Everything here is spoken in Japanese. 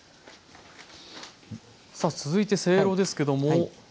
さあ続いてせいろですけども。